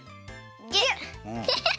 ギュッ！